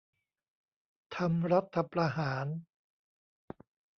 ทำรัฐประหาร